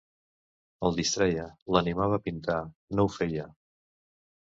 El distreia, l'animava a pintar; no ho feia.